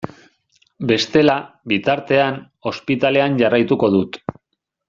Bestela, bitartean, ospitalean jarraituko dut.